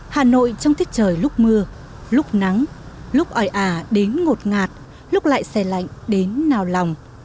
hà nội trong tiết trời lúc mưa lúc nắng lúc oi ả đến ngột ngạt lúc lại xe lạnh đến nào lòng